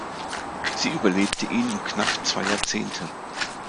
Sie überlebte ihn um knapp zwei Jahrzehnte.